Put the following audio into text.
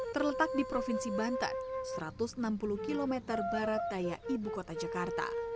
terletak di provinsi banten satu ratus enam puluh km barat daya ibu kota jakarta